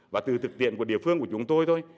và từ thực tiện của địa phương của chúng tôi thôi